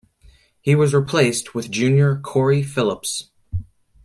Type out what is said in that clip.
He was replaced with junior Cory Phillips.